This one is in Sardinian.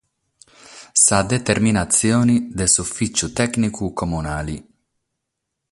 sa determinatzione de s'Ufìtziu Tècnicu Comunale.